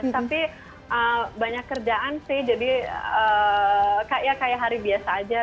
tapi banyak kerjaan sih jadi kayak hari biasa aja